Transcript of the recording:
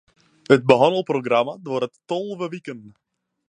It behannelprogramma duorret tolve wiken.